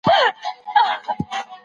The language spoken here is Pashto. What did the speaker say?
د نبوت مقام انسان ته تفوق ورکوي.